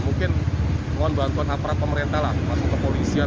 mungkin mohon bantuan aparat pemerintah lah masuk ke polisian